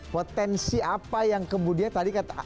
potensi apa yang kemudian tadi kata